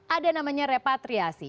ada namanya repatriasi